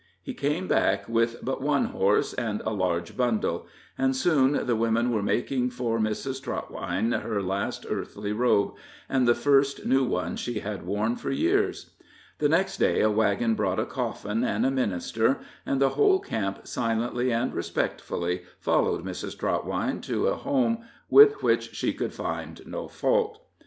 He came back with but one horse and a large bundle; and soon the women were making for Mrs. Trotwine her last earthly robe, and the first new one she had worn for years. The next day a wagon brought a coffin and a minister, and the whole camp silently and respectfully followed Mrs. Trotwine to a home with which she could find no fault.